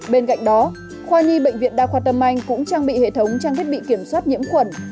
bên cạnh đó khoa nhi bệnh viện đa khoa tâm anh cũng trang bị hệ thống trang thiết bị kiểm soát nhiễm khuẩn